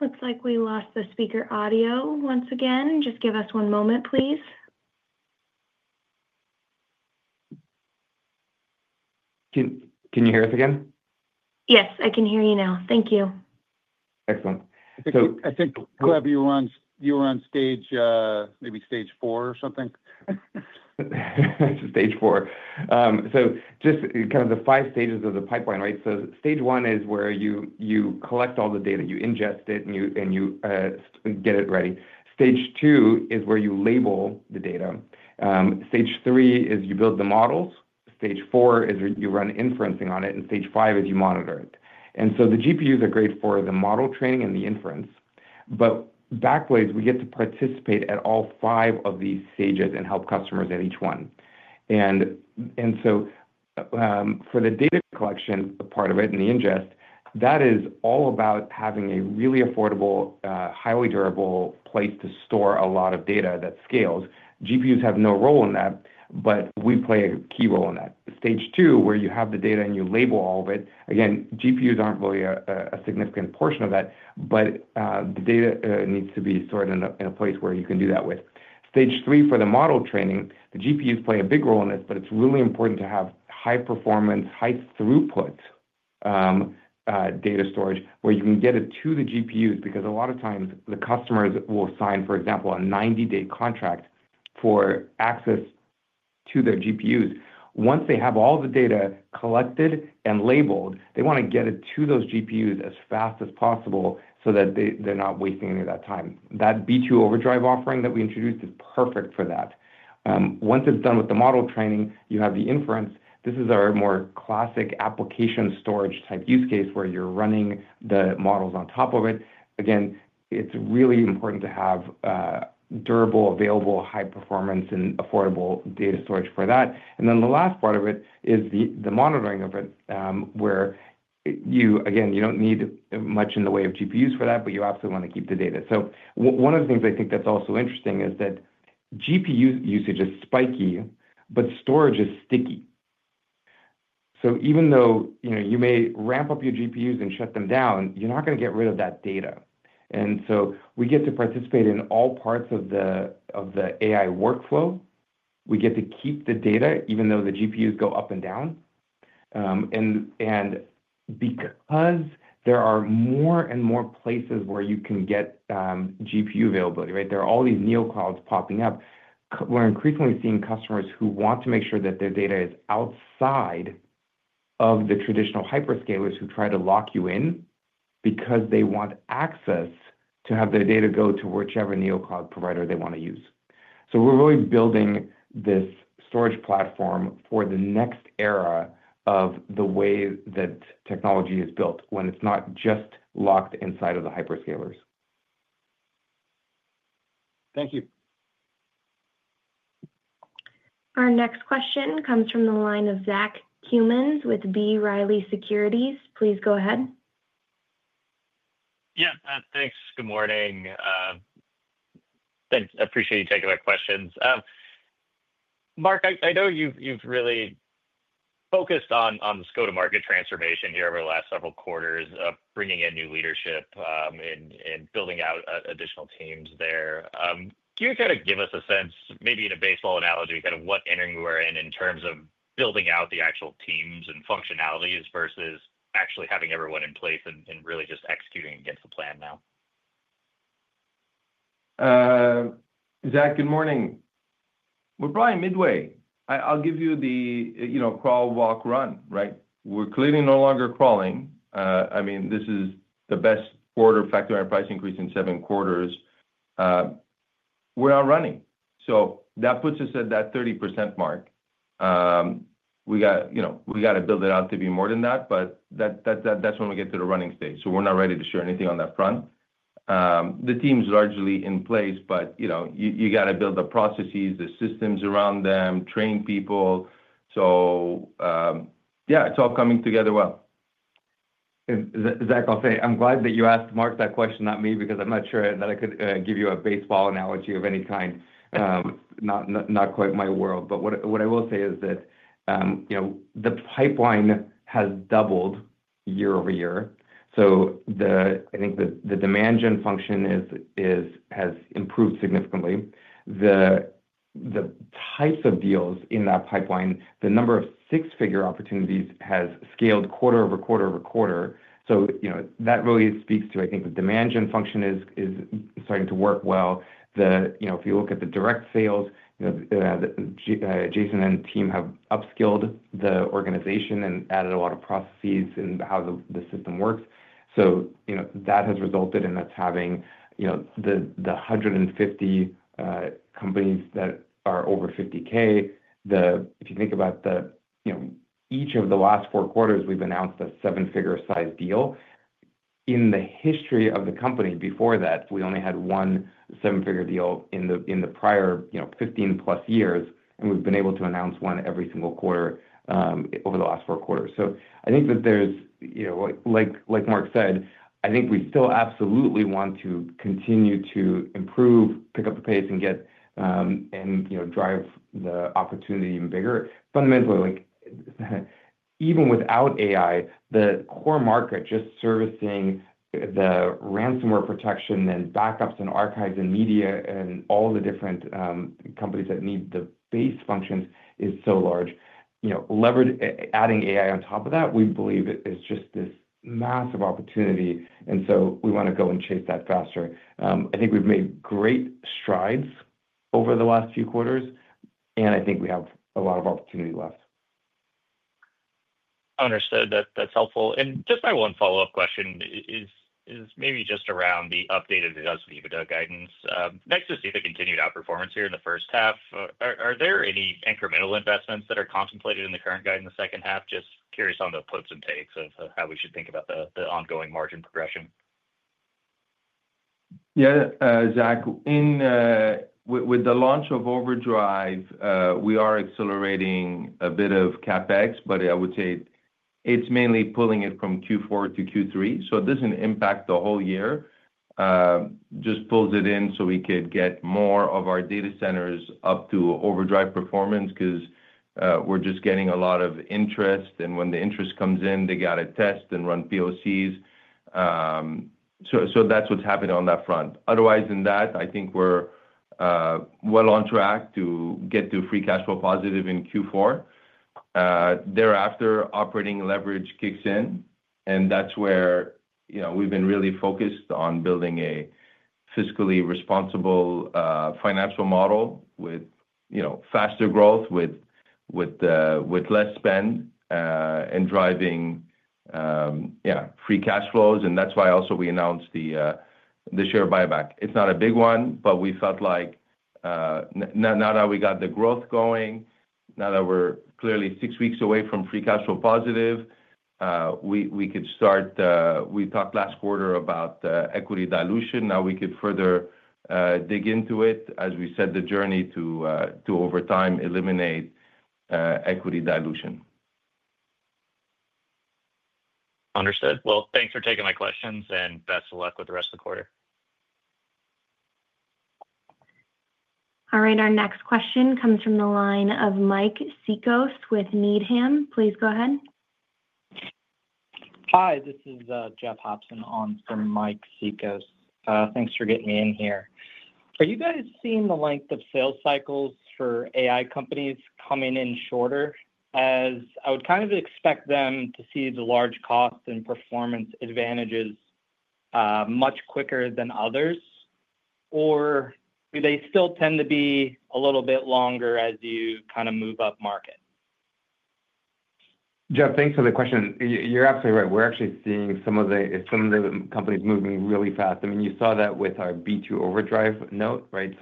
A: Looks like we lost the speaker audio once again. Just give us one moment, please.
C: Can you hear us again?
A: Yes, I can hear you now. Thank you.
C: Excellent.
I: I think, Gleb, you were on stage, maybe stage four or something.
C: Stage four. Just kind of the five stages of the pipeline, right? Stage one is where you collect all the data, you ingest it, and you get it ready. Stage two is where you label the data. Stage three is you build the models. Stage four is you run inferencing on it. Stage five is you monitor it. The GPUs are great for the model training and the inference. Backblaze gets to participate at all five of these stages and help customers at each one. For the data collection part of it and the ingest, that is all about having a really affordable, highly durable place to store a lot of data that scales. GPUs have no role in that, but we play a key role in that. Stage two, where you have the data and you label all of it, again, GPUs aren't really a significant portion of that, but the data needs to be stored in a place where you can do that with. Stage three for the model training, the GPUs play a big role in this, but it's really important to have high performance, high throughput data storage where you can get it to the GPUs because a lot of times the customers will sign, for example, a 90-day contract for access to their GPUs. Once they have all the data collected and labeled, they want to get it to those GPUs as fast as possible so that they're not wasting any of that time. That B2 Overdrive offering that we introduced is perfect for that. Once it's done with the model training, you have the inference. This is our more classic application storage type use case where you're running the models on top of it. Again, it's really important to have durable, available, high performance, and affordable data storage for that. The last part of it is the monitoring of it where you, again, you don't need much in the way of GPUs for that, but you absolutely want to keep the data. One of the things I think that's also interesting is that GPU usage is spiky, but storage is sticky. Even though you may ramp up your GPUs and shut them down, you're not going to get rid of that data. We get to participate in all parts of the AI workflow. We get to keep the data even though the GPUs go up and down. Because there are more and more places where you can get GPU availability, right, there are all these Neoclouds popping up. We're increasingly seeing customers who want to make sure that their data is outside of the traditional hyperscalers who try to lock you in, because they want access to have their data go to whichever new cloud provider they want to use. We're really building this storage platform for the next era of the way that technology is built when it's not just locked inside of the hyperscalers.
I: Thank you.
A: Our next question comes from the line of Zach Cummins with B. Riley Securities. Please go ahead.
J: Yeah, thanks. Good morning. I appreciate you taking my questions. Marc, I know you've really focused on the scope of go-to-market transformation here over the last several quarters, bringing in new leadership and building out additional teams there. Can you kind of give us a sense, maybe in a baseball analogy, kind of what inning you are in in terms of building out the actual teams and functionalities versus actually having everyone in place and really just executing against the plan now?
D: Zach, good morning. We're probably midway. I'll give you the, you know, crawl, walk, run, right? We're clearly no longer crawling. I mean, this is the best quarter factoring in our price increase in seven quarters. We're not running. That puts us at that 30% mark. We got to build it out to be more than that, but that's when we get to the running stage. We're not ready to share anything on that front. The team's largely in place, but you know, you got to build the processes, the systems around them, train people. It's all coming together well.
C: Zach, I'll say I'm glad that you asked Marc that question, not me, because I'm not sure that I could give you a baseball analogy of any kind. Not quite my world. What I will say is that the pipeline has doubled year-over-year. I think the demand gen function has improved significantly. The types of deals in that pipeline, the number of six-figure opportunities has scaled quarter-over-quarter. That really speaks to, I think, the demand gen function is starting to work well. If you look at the direct sales, Jason and team have upskilled the organization and added a lot of processes and how the system works. That has resulted in us having the 150 companies that are over $50,000. If you think about each of the last four quarters, we've announced a seven-figure size deal. In the history of the company before that, we only had one seven-figure deal in the prior 15+ years, and we've been able to announce one every single quarter over the last four quarters. I think that there's, like Marc said, I think we still absolutely want to continue to improve, pick up the pace, and drive the opportunity even bigger. Fundamentally, even without AI, the core market just servicing the ransomware protection and backups and archives and media and all the different companies that need the base functions is so large. Leverage adding AI on top of that, we believe it's just this massive opportunity. We want to go and chase that faster. I think we've made great strides over the last few quarters, and I think we have a lot of opportunity left.
J: Understood. That's helpful. Just my one follow-up question is maybe just around the updated adjusted EBITDA guidance. Next, to see if it continued outperformance here in the first half, are there any incremental investments that are contemplated in the current guide in the second half? Just curious on the puts and takes of how we should think about the ongoing margin progression.
D: Yeah, Zach, with the launch of Overdrive, we are accelerating a bit of CapEx, but I would say it's mainly pulling it from Q4 to Q3. It doesn't impact the whole year, just pulls it in so we could get more of our data centers up to Overdrive performance because we're just getting a lot of interest. When the interest comes in, they have to test and run POCs. That's what's happening on that front. Otherwise, I think we're well on track to get to free cash flow positive in Q4. Thereafter, operating leverage kicks in. We've been really focused on building a fiscally responsible financial model with faster growth, with less spend, and driving free cash flows. That's why we also announced the share buyback. It's not a big one, but we felt like now that we got the growth going, now that we're clearly six weeks away from free cash flow positive, we could start. We talked last quarter about equity dilution. Now we could further dig into it, as we said, the journey to over time eliminate equity dilution.
J: Understood. Thanks for taking my questions and best of luck with the rest of the quarter.
A: All right, our next question comes from the line of Mike Cikos with Needham. Please go ahead.
K: Hi, this is Jeff Hopson on from Mike Cikos. Thanks for getting me in here. Are you guys seeing the length of sales cycles for AI companies coming in shorter? As I would kind of expect them to see the large cost and performance advantages much quicker than others, or do they still tend to be a little bit longer as you kind of move up market?
C: Jeff, thanks for the question. You're absolutely right. We're actually seeing some of the companies moving really fast. You saw that with our B2 Overdrive note, right?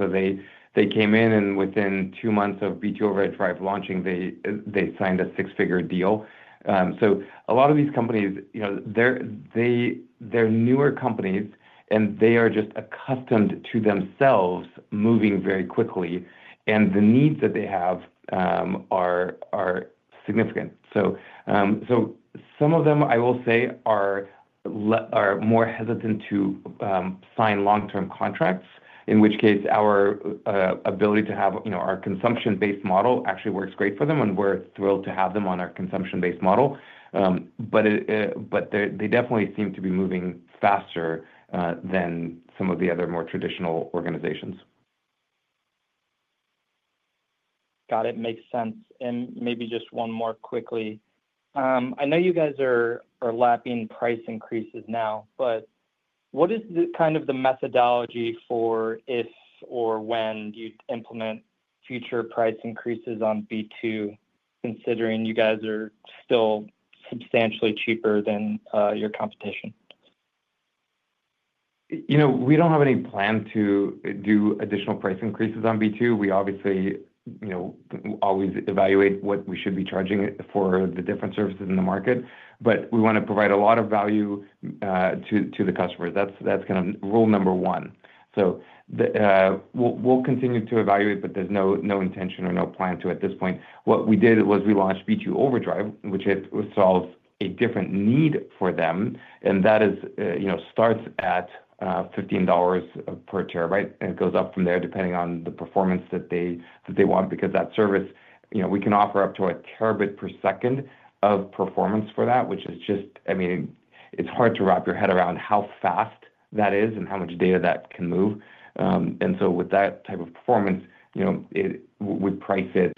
C: They came in and within two months of B2 Overdrive launching, they signed a six-figure deal. A lot of these companies, you know, they're newer companies and they are just accustomed to themselves moving very quickly. The needs that they have are significant. Some of them, I will say, are more hesitant to sign long-term contracts, in which case our ability to have our consumption-based model actually works great for them. We're thrilled to have them on our consumption-based model. They definitely seem to be moving faster than some of the other more traditional organizations.
K: Got it. Makes sense. Maybe just one more quickly. I know you guys are lapping price increases now, but what is the kind of the methodology for if or when do you implement future price increases on B2, considering you guys are still substantially cheaper than your competition?
C: You know, we don't have any plan to do additional price increases on B2. We obviously always evaluate what we should be charging for the different services in the market. We want to provide a lot of value to the customers. That's kind of rule number one. We'll continue to evaluate, but there's no intention or no plan to at this point. What we did was we launched B2 Overdrive, which solves a different need for them. That is, you know, starts at $15 per terabyte. It goes up from there depending on the performance that they want, because that service, you know, we can offer up to a terabyte per second of performance for that, which is just, I mean, it's hard to wrap your head around how fast that is and how much data that can move. With that type of performance, you know, we price it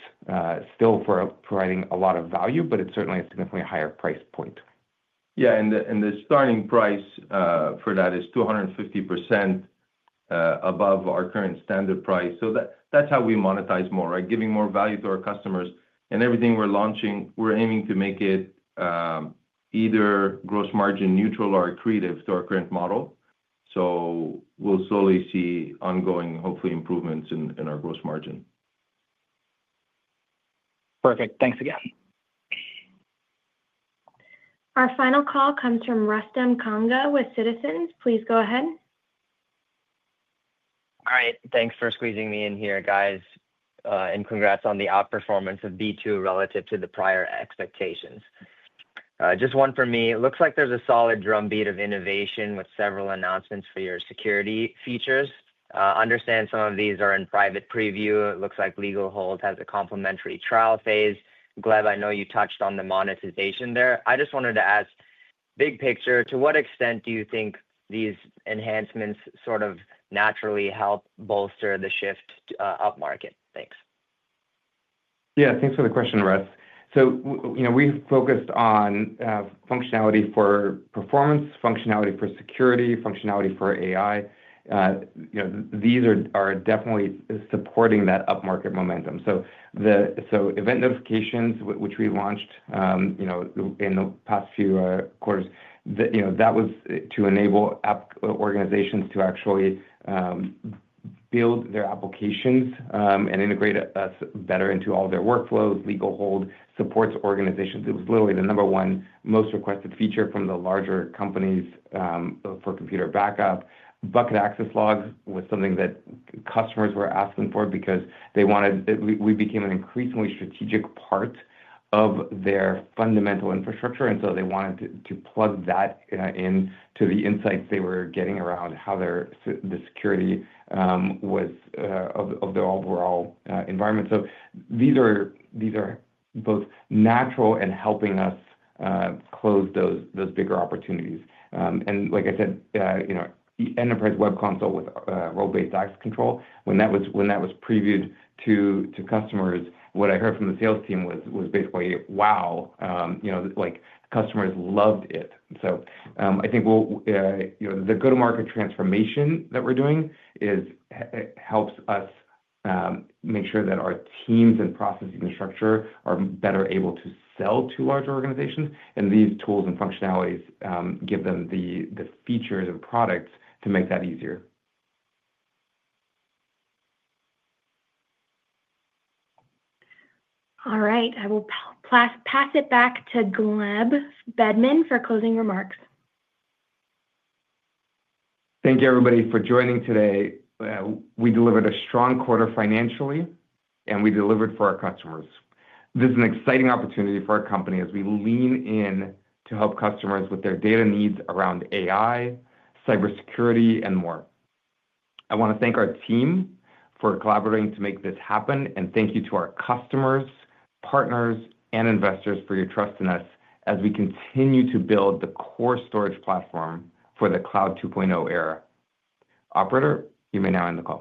C: still for providing a lot of value, but it's certainly a significantly higher price point.
D: Yeah, the starting price for that is 250% above our current standard price. That's how we monetize more, right? Giving more value to our customers. Everything we're launching, we're aiming to make it either gross margin neutral or accretive to our current model. We'll slowly see ongoing, hopefully, improvements in our gross margin.
K: Perfect. Thanks again.
A: Our final call comes from Rustam Kanga with Citizens. Please go ahead.
L: All right, thanks for squeezing me in here, guys. Congrats on the outperformance of B2 relative to the prior expectations. Just one for me. It looks like there's a solid drumbeat of innovation with several announcements for your security features. I understand some of these are in private preview. It looks like Legal Hold has a complimentary trial phase. Gleb, I know you touched on the monetization there. I just wanted to ask, big picture, to what extent do you think these enhancements sort of naturally help bolster the shift up market? Thanks.
C: Yeah, thanks for the question, Rust. We've focused on functionality for performance, functionality for security, functionality for AI. These are definitely supporting that up market momentum. The event notifications, which we launched in the past few quarters, that was to enable organizations to actually build their applications and integrate us better into all of their workflows. Legal Hold supports organizations. It was literally the number one most requested feature from the larger companies for Computer Backup. Bucket Access Logs was something that customers were asking for because we became an increasingly strategic part of their fundamental infrastructure. They wanted to plug that into the insights they were getting around how the security was of their overall environment. These are both natural and helping us close those bigger opportunities. Like I said, Enterprise Web Console with role-based access control, when that was previewed to customers, what I heard from the sales team was basically, wow, customers loved it. I think the go-to-market transformation that we're doing helps us make sure that our teams and processes and structure are better able to sell to large organizations. These tools and functionalities give them the features and products to make that easier.
A: All right, I will pass it back to Gleb Budman for closing remarks.
C: Thank you, everybody, for joining today. We delivered a strong quarter financially, and we delivered for our customers. This is an exciting opportunity for our company as we lean in to help customers with their data needs around AI, cybersecurity, and more. I want to thank our team for collaborating to make this happen, and thank you to our customers, partners, and investors for your trust in us as we continue to build the core storage platform for the Cloud 2.0 era. Operator, you may now end the call.